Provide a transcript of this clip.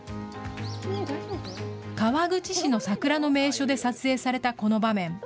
川口市の桜の名所で撮影されたこの場面。